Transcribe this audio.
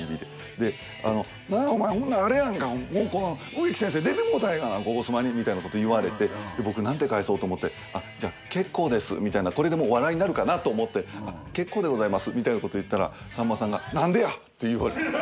でなんやお前ほんならあれやんか！もうこの植木先生出てもろうたらええがな「ゴゴスマ」にみたいなこと言われてで僕なんて返そうと思ってあっじゃあ結構ですみたいなこれでもう笑いになるかなと思って結構でございますみたいなこと言ったらさんまさんがなんでや！？って言われた。